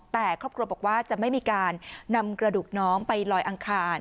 แต่ครอบครัวบอกว่าจะไม่มีการนำกระดูกน้องไปลอยอังคาร